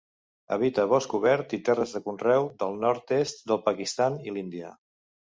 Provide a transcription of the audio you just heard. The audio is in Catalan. Habita bosc obert i terres de conreu del nord-est del Pakistan i l'Índia.